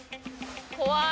怖い。